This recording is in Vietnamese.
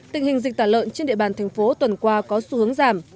tình hình dịch tả lợn trên địa bàn thành phố tuần qua có xu hướng giảm